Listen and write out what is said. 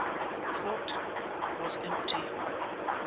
The court was empty!